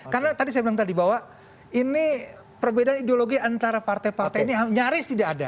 karena tadi saya bilang tadi bahwa ini perbedaan ideologi antara partai partai ini nyaris tidak ada